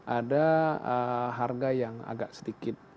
ada harga yang agak sedikit